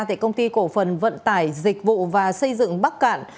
tại công ty cổ phần vận tải dịch vụ và xây dựng bắc cạn